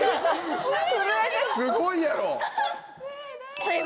すごいやろ？